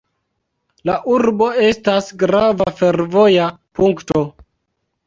La urbo estas grava fervoja punkto.